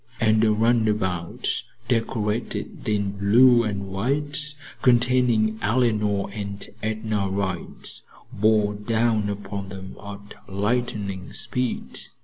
and a runabout decorated in blue and white, containing Eleanor and Edna Wright, bore down upon them at lightning speed.